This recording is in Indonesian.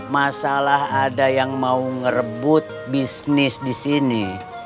masalah ada yang mau ngerebut bisnis di sini